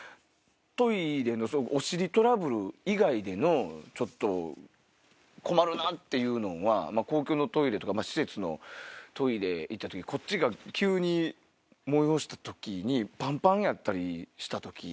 トイレのお尻トラブル以外でのちょっと困るなっていうのんは公共のトイレとか施設のトイレ行った時こっちが急に催した時にパンパンやったりした時。